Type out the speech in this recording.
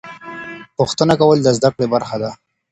پوښتنه کول د زده کړې برخه ده.